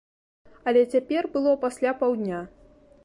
Але цяпер было пасля паўдня.